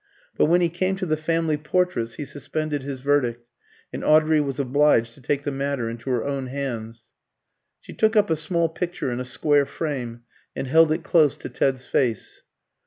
But when he came to the family portraits he suspended his verdict, and Audrey was obliged to take the matter into her own hands. She took up a small picture in a square frame and held it close to Ted's face.